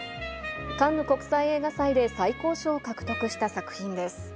カンヌ国際映画祭で最高賞を獲得した作品です。